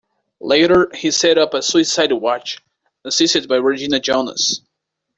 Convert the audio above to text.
Later he set up a suicide watch, assisted by Regina Jonas.